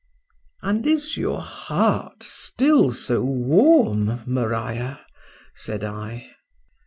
And is your heart still so warm, Maria? said I.